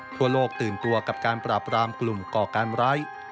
ทั่วโลกตื่นตัวกับการปราบรามกลุ่มก่อการร้าย